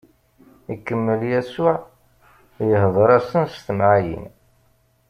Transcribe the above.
Ikemmel Yasuɛ ihdeṛ-asen s temɛayin.